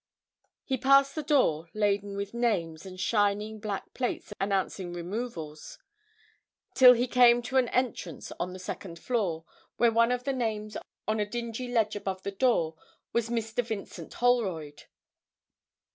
He passed the door laden with names and shining black plates announcing removals, till he came to an entrance on the second floor, where one of the names on a dingy ledge above the door was 'Mr. Vincent Holroyd.'